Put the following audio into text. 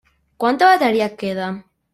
Quanta bateria et queda?